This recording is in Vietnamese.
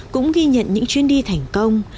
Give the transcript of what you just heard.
cũng ghi nhận những chuyến đi thành công